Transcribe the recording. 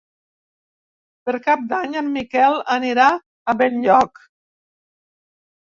Per Cap d'Any en Miquel anirà a Benlloc.